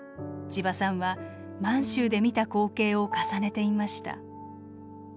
ちばさんは満州で見た光景を重ねていました。